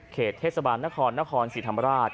เทศบาลนครนครศรีธรรมราช